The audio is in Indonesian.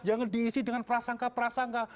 jangan diisi dengan prasangka prasangka